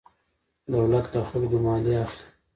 دولت له خلکو مالیه اخلي.